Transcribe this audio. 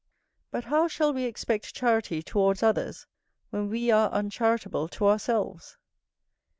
But how shall we expect charity towards others, when we are uncharitable to ourselves?